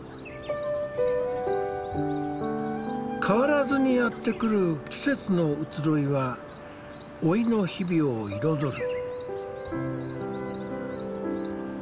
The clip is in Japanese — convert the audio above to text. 変わらずにやってくる季節の移ろいは老いの日々を彩る。